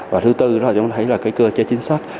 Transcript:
và thứ bốn đó là cơ chế chính sách